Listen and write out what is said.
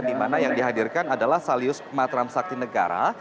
di mana yang dihadirkan adalah salius matram sakti negara